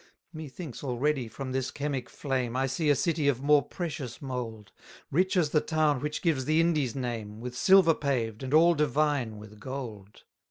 293 Methinks already from this chemic flame, I see a city of more precious mould: Rich as the town which gives the Indies name, With silver paved, and all divine with gold.